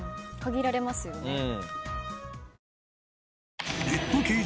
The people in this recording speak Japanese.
限られますよね。